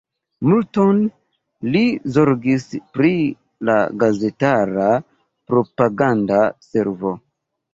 Multon li zorgis pri la gazetara propaganda servo.